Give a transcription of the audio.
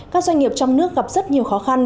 các doanh nghiệp trong nước gặp rất nhiều khó khăn